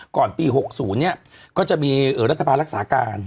ก่อนปีหกศูนย์เนี่ยก็จะมีเอ่อฤรษฎาภารักษาการ